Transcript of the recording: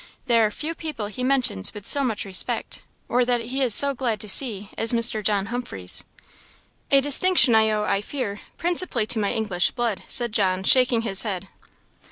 There are few people he mentions with so much respect, or that he is so glad to see, as Mr. John Humphreys." "A distinction I owe, I fear, principally to my English blood," said John, shaking his head.